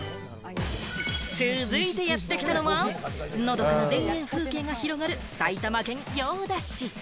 続いてやってきたのは、のどかな田園風景が広がる、埼玉県行田市。